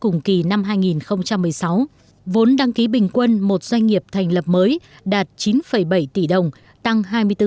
cùng kỳ năm hai nghìn một mươi sáu vốn đăng ký bình quân một doanh nghiệp thành lập mới đạt chín bảy tỷ đồng tăng hai mươi bốn